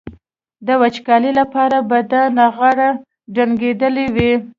د وچکالۍ لپاره به دا نغاره ډنګېدلي وي.